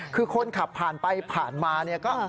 คือคนขับผ่านไปผ่านมาเนี่ยก็